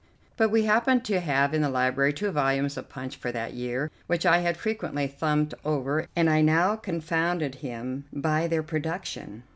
But we happened to have in the library two volumes of Punch for that year, which I had frequently thumbed over, and I now confounded him by their production.